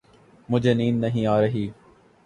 مجھے نیند نہیں آ رہی۔